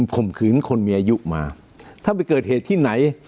ข่มขืนคนมีอายุมาถ้าไปเกิดเหตุที่ไหน